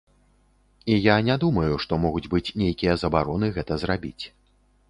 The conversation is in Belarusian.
І я не думаю, што могуць быць нейкія забароны гэта зрабіць.